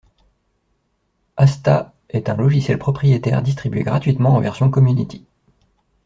Astah est un logiciel propriétaire distribué gratuitement en version community.